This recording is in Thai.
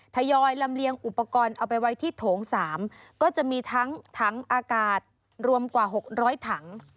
ยอยลำเลียงอุปกรณ์เอาไปไว้ที่โถง๓ก็จะมีทั้งถังอากาศรวมกว่า๖๐๐ถัง